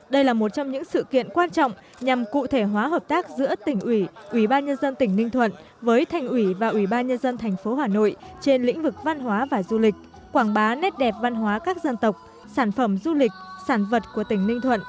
đây là một trong những sự kiện quan trọng nhằm cụ thể hóa hợp tác giữa tỉnh ủy ủy ban nhân dân tỉnh ninh thuận với thành ủy và ủy ban nhân dân thành phố hà nội trên lĩnh vực văn hóa và du lịch